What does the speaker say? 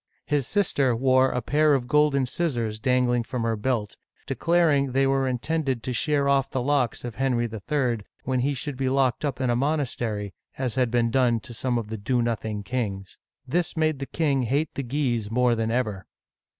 His sister wore a pair of golden scissors dangling from her belt, declaring they were intended to shear off the locks of Henry III. when he should be locked up in a monastery, as had been done to some of the " do nothing kings.*' This made the king hate the Guises more than ever.